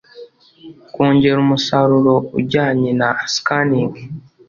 kongera umusaruro ujyanye na scanning